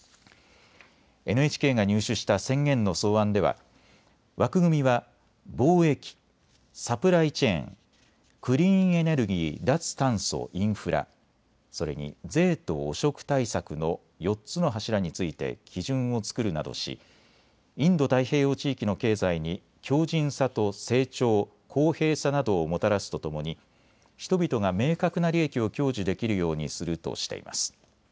ＮＨＫが入手した宣言の草案では枠組みは貿易、サプライチェーン、クリーンエネルギー・脱炭素・インフラ、それに税と汚職対策の４つの柱について基準を作るなどしインド太平洋地域の経済に強じんさと成長、公平さなどをもたらすとともに人々が明確な利益を享受できるようにするとしています。